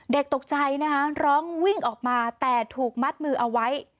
ตกใจนะคะร้องวิ่งออกมาแต่ถูกมัดมือเอาไว้